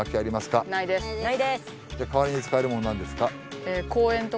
かわりに使えるものは何ですか？